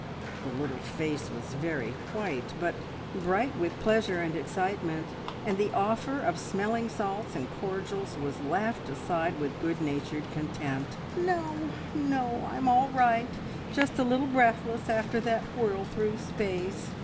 The little face was very white, but bright with pleasure and excitement, and the offer of smelling salts and cordials was laughed aside with good natured contempt. "No, no I'm all right just a little breathless after that whirl through space.